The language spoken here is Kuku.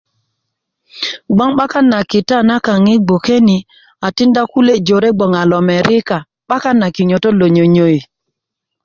gboŋ 'bakan na kita ma kaaŋ yi gboke ni a tikinda kule' jore yi hboŋ a lomerika 'bakan na kinyotot lo nyonyoyi